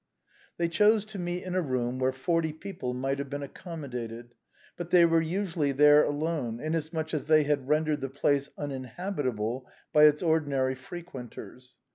They chose to meet in a room where forty people might have been accommodated, but they were usually there alone, inasmuch as they had rendered the place uninhabit able by its ordinary frequenters.